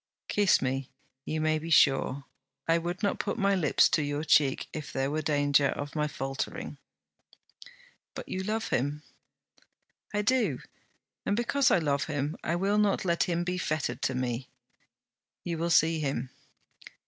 'Kiss me; you may be sure. I would not put my lips to your cheek if there were danger of my faltering.' 'But you love him.' 'I do: and because I love him I will not let him be fettered to me.' 'You will see him.'